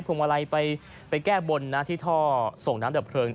วงมาลัยไปแก้บนนะที่ท่อส่งน้ำดับเพลิง